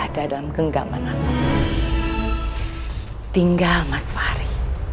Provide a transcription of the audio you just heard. tinggal mas fahri